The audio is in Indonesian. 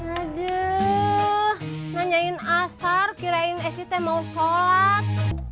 aduh nanyain asar kirain site mau sholat